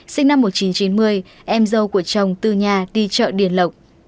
sinh năm một nghìn chín trăm chín mươi em dâu của chồng từ nhà đi chợ điền lộc